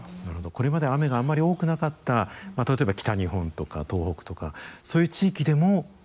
これまで雨があんまり多くなかった例えば北日本とか東北とかそういう地域でも降る可能性がある。